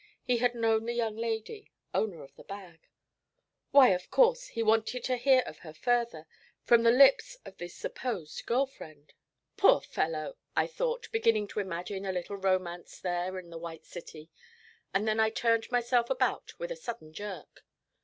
He had known the young lady owner of the bag. Why, of course he wanted to hear of her further, from the lips of this supposed girl friend. 'Poor fellow!' I thought, beginning to imagine a little romance there in the White City; and then I turned myself about with a sudden jerk.